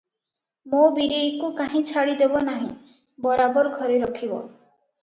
ମୋ ବୀରେଇକୁ କାହିଁ ଛାଡ଼ିଦେବ ନାହିଁ ବରାବର ଘରେ ରଖିବ ।